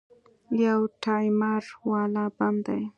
يو ټايمر والا بم دى.